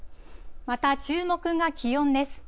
また注目が気温です。